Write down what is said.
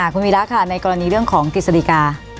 คุณวิระคะในกรณีเรื่องของติดศริกา